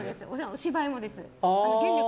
芝居もです。